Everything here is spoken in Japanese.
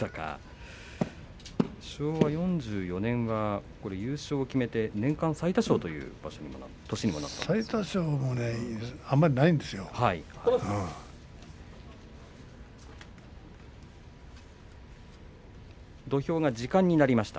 昭和４４年は優勝を決めて年間最多勝という年にもなりました。